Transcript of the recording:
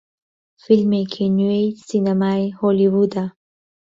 فیلمێکی نوێی سینەمای هۆلیوودە